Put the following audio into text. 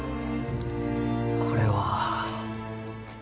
これは。